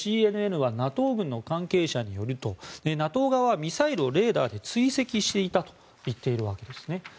ＣＮＮはＮＡＴＯ軍の関係者によるとＮＡＴＯ側はミサイルをレーダーで追跡していたと言っているわけですね。